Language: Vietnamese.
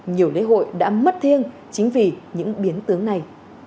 nhiều lễ hội đã mất thiêng chính vì những biến tướng này